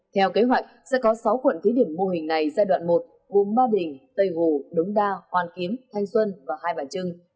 theo kế hoạch sẽ có sáu quận thí điểm mô hình này giai đoạn một gồm ba đình tây hồ đống đa hoàn kiếm thanh xuân và hai bản trưng